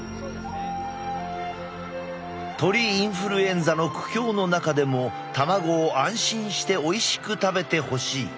鳥インフルエンザの苦境の中でも卵を安心しておいしく食べてほしい。